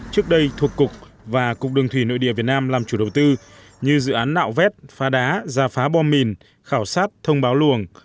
trước đây thuộc cục và cục đường thủy nội địa việt nam làm chủ đầu tư như dự án nạo vét phá đá giả phá bom mìn khảo sát thông báo luồng